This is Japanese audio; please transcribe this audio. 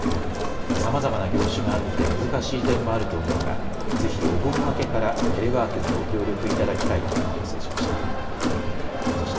さまざまな業種があって難しい点もあると思うがぜひお盆明けからテレワークにご協力いただきたいと要請しました。